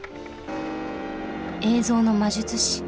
「映像の魔術師」。